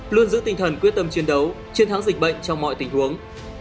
luôn giữ tinh thần quyết tâm chiến đấu chiến thắng dịch bệnh trong mọi tình huống